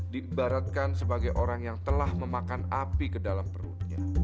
diibaratkan sebagai orang yang telah memakan api ke dalam perutnya